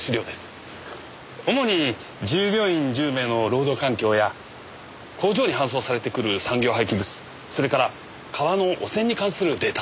主に従業員１０名の労働環境や工場に搬送されてくる産業廃棄物それから川の汚染に関するデータです。